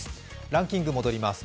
ランキング、戻ります。